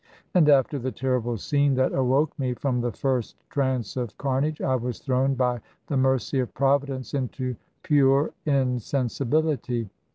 And after the terrible scene that awoke me from the first trance of carnage, I was thrown by the mercy of Providence into pure insensibility.